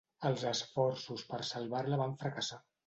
Els esforços per salvar-la van fracassar.